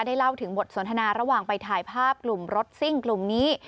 เล่าถึงบทสนทนาระหว่างไปถ่ายภาพกลุ่มรถซิ่งกลุ่มนี้